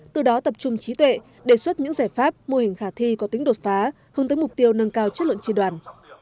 từ đó tập trung trí tuệ đề xuất những giải pháp mô hình khả thi có tính đột phá hướng tới mục tiêu nâng cao chất lượng tri đoàn